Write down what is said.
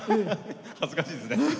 恥ずかしいですね。